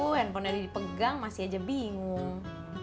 handphonenya dipegang masih aja bingung